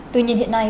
tuy nhiên hiện nay